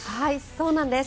そうなんです。